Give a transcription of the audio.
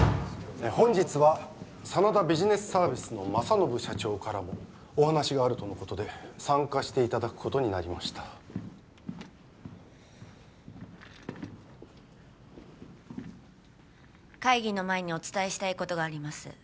本日は真田ビジネスサービスの政信社長からもお話があるとのことで参加していただくことになりました会議の前にお伝えしたいことがあります